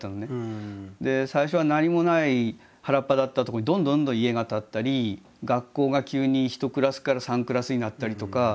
最初は何もない原っぱだったとこにどんどんどんどん家が建ったり学校が急に１クラスから３クラスになったりとか。